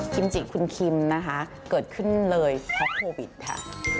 จิคุณคิมนะคะเกิดขึ้นเลยเพราะโควิดค่ะ